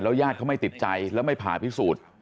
ญาติเขาไม่ติดใจแล้วไม่ผ่าพิสูจน์